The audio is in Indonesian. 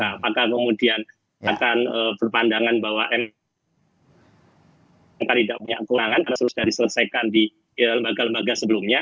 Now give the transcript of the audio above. apakah kemudian akan berpandangan bahwa mk tidak punya kewenangan harus sudah diselesaikan di lembaga lembaga sebelumnya